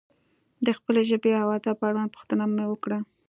د خپلې ژبې و ادب اړوند پوښتنه مې وکړه.